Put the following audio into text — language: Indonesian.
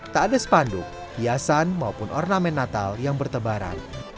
tak ada spanduk hiasan maupun ornamen natal yang bertebaran